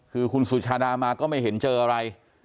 คือคุณสุชาดามาก็ไม่เห็นเจออะไร